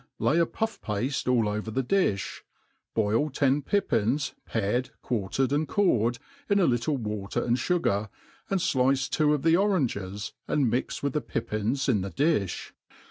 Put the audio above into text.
lay a pufF pafte all over the difb, bqil ten pippins, pared, quartered, and cored, in a littfe water and fugar, and fltce two oi the oranges and a:iix with the pippins in the di(h.